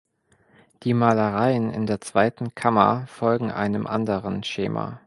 Die Malereien in der zweiten Kammer folgen einem anderen Schema.